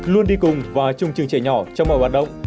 luôn đi cùng và chung chừng trẻ nhỏ trong mọi hoạt động